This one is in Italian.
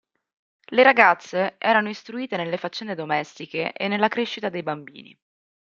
Le ragazze erano istruite nelle faccende domestiche e nella crescita dei bambini.